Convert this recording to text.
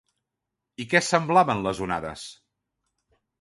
I què semblaven les onades?